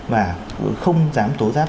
và không dám tố giáp